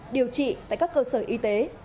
điều trị tại các cơ sở y tế